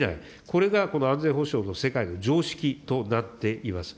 これがこの安全保障の世界の常識となっています。